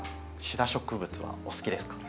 シダ植物はお好きですか？